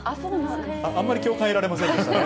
あんまり共感得られませんでしたね。